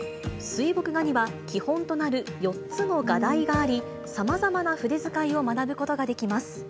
水墨画には基本となる４つの画題があり、さまざまな筆遣いを学ぶことができます。